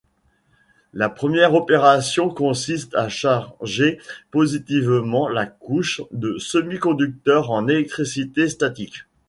La première opération consiste à charger positivement la couche de semi-conducteur en électricité statique.